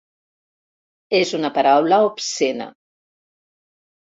És una paraula obscena.